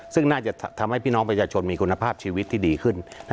ซึ่งน่าจะทำให้พี่น้องประชาชนมีคุณภาพชีวิตที่ดีขึ้น